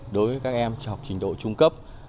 đối với các em học trình độ trung cấp